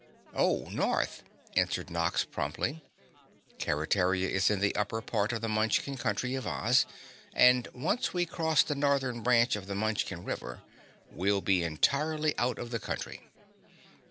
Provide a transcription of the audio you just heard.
"Oh, North," answered Nox promptly. "Keretaria is in the upper part of the Munchkin Country of Oz and once we cross the Northern branch of the Munchkin River, we'll be entirely out of the country."